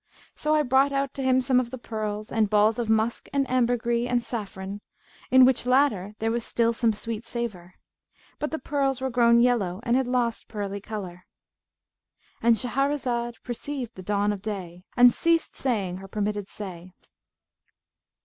So I brought out to him some of the pearls and balls of musk and ambergris and saffron, in which latter there was still some sweet savour; but the pearls were grown yellow and had lost pearly colour."—And Shahrazad perceived the dawn of day and ceased saying her permitted say.